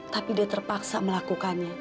tapi dia terpaksa melakukannya